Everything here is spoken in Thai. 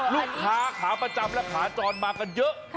ลูกค้าขาประจำและขาจรมากันเยอะ